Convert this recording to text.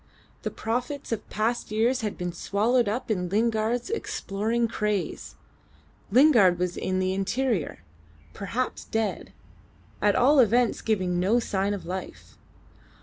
The profits of past years had been swallowed up in Lingard's exploring craze. Lingard was in the interior perhaps dead at all events giving no sign of life.